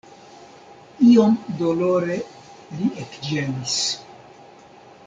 Iom dolore li ekĝemis.